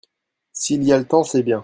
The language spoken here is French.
S'il y a le temps c'est bien.